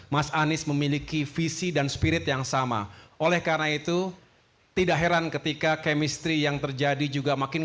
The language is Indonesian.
mas anies ini masyarakat bangsa ke depan